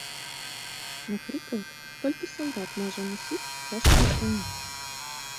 Напрыклад, толькі салдат можа насіць цяжкую браню.